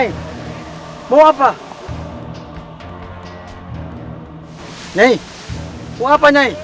tidak ada apa apa